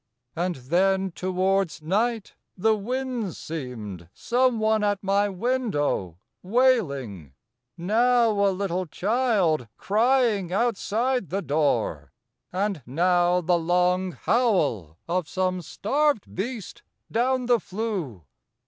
And then, towards night, the wind seemed some one at My window wailing: now a little child Crying outside the door; and now the long Howl of some starved beast down the flue.